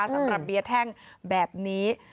สำหรับเบียร์แท่งแบบนี้